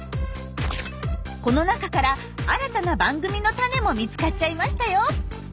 この中から新たな番組のタネも見つかっちゃいましたよ。